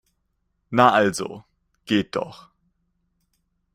Na also, geht doch!